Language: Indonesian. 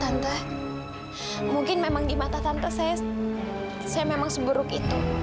tante mungkin memang di mata tante saya memang seburuk itu